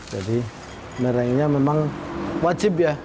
jadi mirengnya memang wajib ya